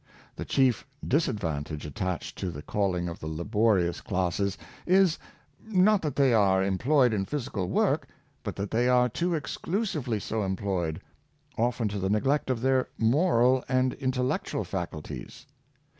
The chief disadvantage attached to the calling of the laborious classes is, not that they are em ployed in physical work, but that they are too exclu sively so employed, often to the neglect of their moral and intellectual faculties.